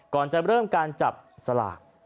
ก่อนจะเริ่มการจับสลาก